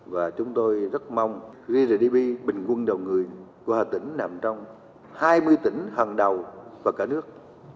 và chúng tôi rất mong grdp bình quân đầu người của hà tĩnh nằm trong hai mươi tỉnh hàng đầu và cả nước